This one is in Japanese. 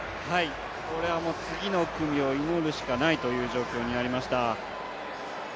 これは次の組を祈るしかないという状況になりました。